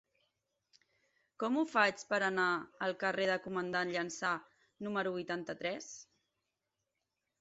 Com ho faig per anar al carrer del Comandant Llança número vuitanta-tres?